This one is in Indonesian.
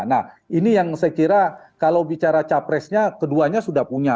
nah ini yang saya kira kalau bicara capresnya keduanya sudah punya